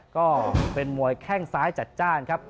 ก็เป็นมวยแข้งซ้ายจัดจ้านครับ